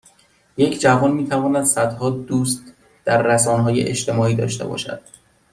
یک جوان میتواند صدها دوست در رسانههای جمعی داشته باشد